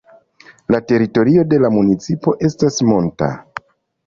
La teritorio de la municipo estas monta.